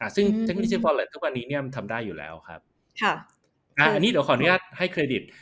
ซึ่งเทคโนเจอฟอร์เล็ตทุกวันนี้เนี่ยมันทำได้อยู่แล้วครับค่ะอันนี้เดี๋ยวขออนุญาตให้เครดิต